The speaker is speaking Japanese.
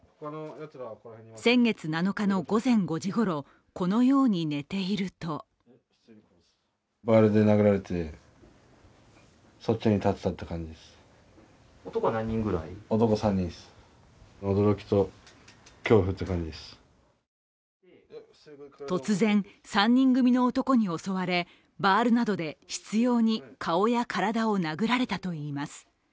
先月７日の午前５時ごろこのように寝ていると突然、３人組の男に襲われ、バールなどで執ように顔や体を殴られたといいます。